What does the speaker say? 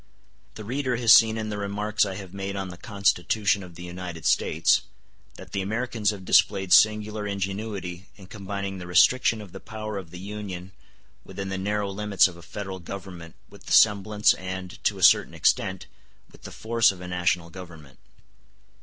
The reader has seen in the remarks I have made on the Constitution of the United States that the Americans have displayed singular ingenuity in combining the restriction of the power of the Union within the narrow limits of a federal government with the semblance and, to a certain extent, with the force of a national government.